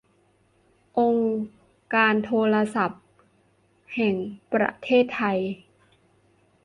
องค์การโทรศัพท์แห่งประเทศไทย